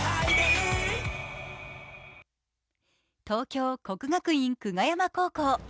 東京・国学院久我山高校。